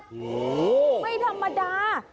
โหไม่ธรรมดา